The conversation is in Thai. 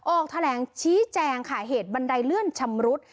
ออกแถลงชี้แจงค่ะเหตุบันไดเลื่อนชำรุด